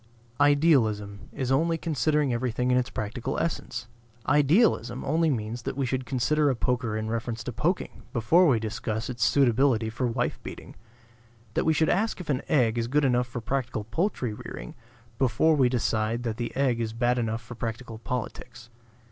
Idealism is only considering everything in its practical essence. Idealism only means that we should consider a poker in reference to poking before we discuss its suitability for wife beating; that we should ask if an egg is good enough for practical poultry rearing before we decide that the egg is bad enough for practical politics.